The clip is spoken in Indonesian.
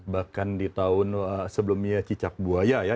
bahkan di tahun sebelumnya cicak buaya ya